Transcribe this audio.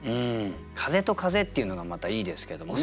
「風と風」っていうのがまたいいですけどもね。